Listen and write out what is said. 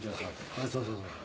そうそうそうそう。